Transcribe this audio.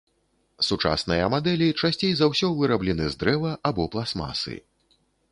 Сучасныя мадэлі часцей за ўсё выраблены з дрэва або пластмасы.